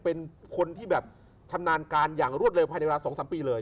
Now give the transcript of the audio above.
เป็นคนที่แบบชำนาญการอย่างรวดเร็วภายในเวลา๒๓ปีเลย